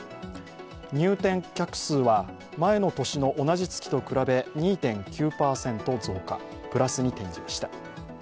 入店客数は前の年の同じ月と比べ２．９％増加、プラスに転じました。